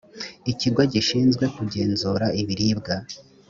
ikigo gishinzwe kugenzura ibiribwa